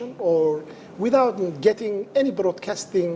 atau tanpa mendapatkan